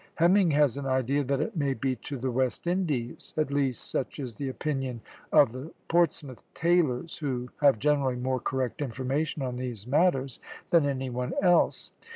"Hemming has an idea that it may be to the West Indies; at least such is the opinion of the Portsmouth tailors, who have generally more correct information on these matters than any one else.